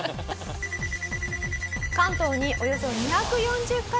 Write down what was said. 関東におよそ２４０カ所。